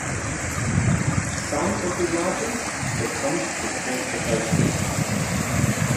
Some of the rioters were punished with transportation.